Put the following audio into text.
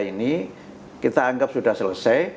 ini kita anggap sudah selesai